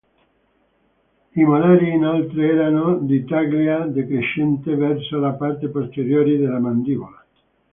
I molari, inoltre, erano di taglia decrescente verso la parte posteriore della mandibola.